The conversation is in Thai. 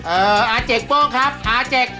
เอ่ออาเจ็กโบ้งครับอาเจ็ก